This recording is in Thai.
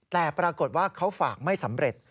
แต่ปรากฏว่าเขาฝากไม่สำเร็จ